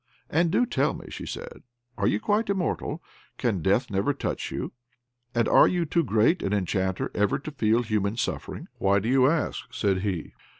"And do tell me," she said, "are you quite immortal? Can death never touch you? And are you too great an enchanter ever to feel human suffering?" "Why do you ask?" said he.